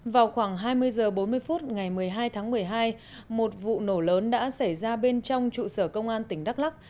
vào khoảng hai mươi h bốn mươi phút ngày một mươi hai tháng một mươi hai một vụ nổ lớn đã xảy ra bên trong trụ sở công an tỉnh đắk lắc